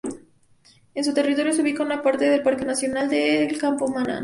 En su territorio se ubica una parte del parque nacional de Campo-Ma’an.